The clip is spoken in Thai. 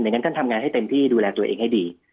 งั้นท่านทำงานให้เต็มที่ดูแลตัวเองให้ดี